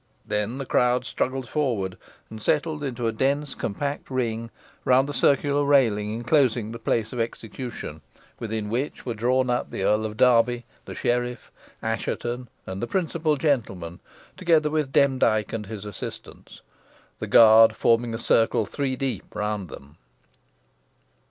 Then the crowd struggled forward, and settled into a dense compact ring, round the circular railing enclosing the place of execution, within which were drawn up the Earl of Derby, the sheriff, Assheton, and the principal gentlemen, together with Demdike and his assistants; the guard forming a circle three deep round them.